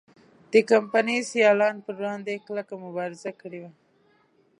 د کمپنۍ سیالانو پر وړاندې کلکه مبارزه کړې وه.